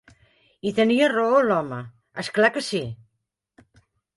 I tenia raó, l'home! És clar que sí!